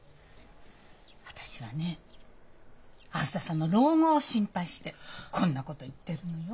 私はねあづささんの老後を心配してこんなこと言ってるのよ。